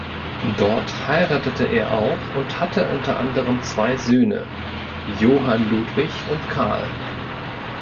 Dort heiratete er auch und hatte unter anderem zwei Söhne; Johann Ludwig und Karl.